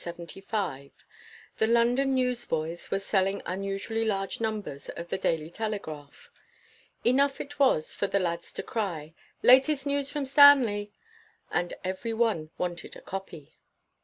* The London newsboys were selling un usually large numbers of the Daily Tele graph. Enough it was for the lads to cry, "Latest news from Stanley," and every one wanted a copy.